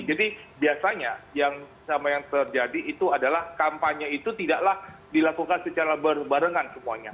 jadi biasanya yang terjadi itu adalah kampanye itu tidaklah dilakukan secara berbarengan semuanya